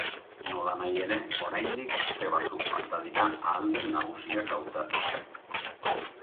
Nolanahi ere, oraindik aste batzuk falta dira ahaldun nagusiak hautatzeko.